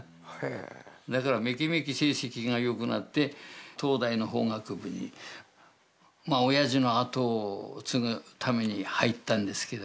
だからめきめき成績が良くなって東大の法学部におやじのあとを継ぐために入ったんですけども。